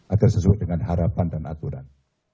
agar sesuai dengan harapan dan aturan